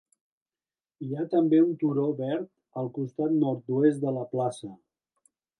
Hi ha també un turó verd al costat nord-oest de la plaça.